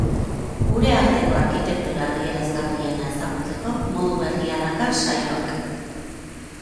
Gure arteko arkitektura adierazgarriena ezagutzeko modu berria dakar saioak.